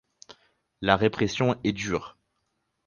La répression est dure.